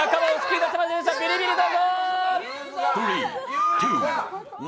ビリビリどうぞ！